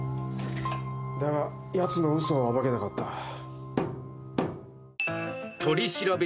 「だがやつの嘘を暴けなかった」